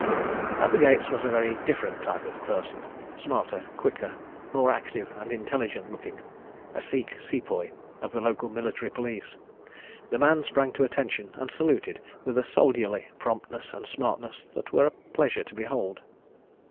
At the gates was a very different type of person, smarter, quicker, more active and intelligent looking, a Sikh Sepoy of the local military police. The man sprang to attention and saluted with a soldierly promptness and smartness that were a pleasure to behold.